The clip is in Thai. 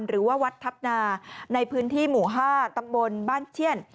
หรือว่าวัดทัพนาในพื้นที่หมู่๕ตำบลบ้านเชี่ยน